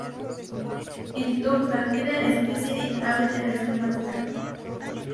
En Tonga, era la especie de ave terrestre más grande.